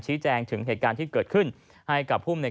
แจ้งถึงเหตุการณ์ที่เกิดขึ้นให้กับภูมิใน